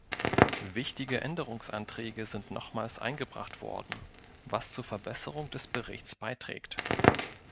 Wichtige Änderungsanträge sind nochmals eingebracht worden, was zur Verbesserung des Berichts beiträgt.